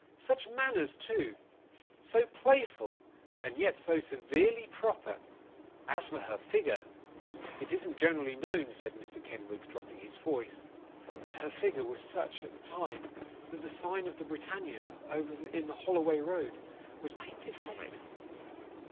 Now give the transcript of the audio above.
Such manners too; so playful, and yet so sewerely proper! As for her figure! It isn't generally known,' said Mr. Kenwigs, dropping his voice; 'but her figure was such, at that time, that the sign of the Britannia, over in the Holloway Road, was painted from it!